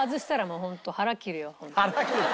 「腹切る」。